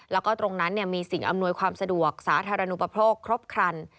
แล้วก็ตรงนั้นมีสิ่งอำนวยความสะดวกสาธารณูปโภคครบครัน